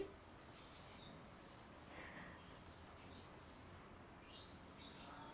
kepada warga warga yang sudah ditinggalkan oleh orangtuanya